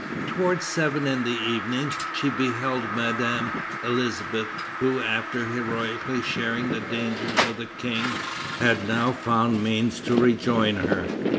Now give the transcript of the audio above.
Toward seven in the evening she beheld Madame Elisabeth, who, after heroically sharing the dangers of the King, had now found means to rejoin her.